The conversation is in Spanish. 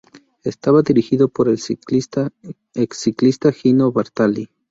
Estaba dirigido por el exciclista Gino Bartali.